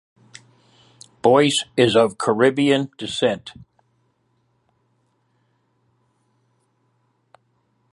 Boyce is of Caribbean descent.